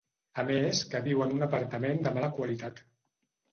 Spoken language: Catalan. A més que viu en un apartament de mala qualitat.